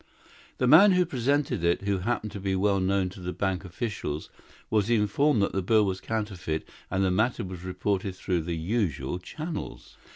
The man who presented it, who happened to be well known to the bank officials, was informed that the bill was counterfeit and the matter was reported through the usual channels.